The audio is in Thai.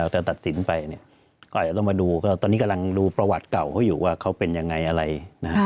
แต่ตัดสินไปเนี่ยก็อาจจะต้องมาดูก็ตอนนี้กำลังดูประวัติเก่าเขาอยู่ว่าเขาเป็นยังไงอะไร